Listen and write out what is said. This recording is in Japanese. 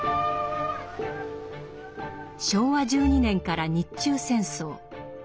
昭和１２年から日中戦争